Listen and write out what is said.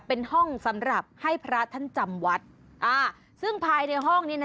เป็นห้องสำหรับให้พระท่านจำวัดอ่าซึ่งภายในห้องนี้นะ